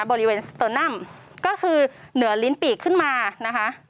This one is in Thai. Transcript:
บริเวณสเตอร์นัมก็คือเหนือลิ้นปีกขึ้นมานะคะ